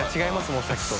もんさっきと。